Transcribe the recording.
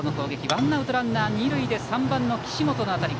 ワンアウトランナー、二塁で３番の岸本の当たり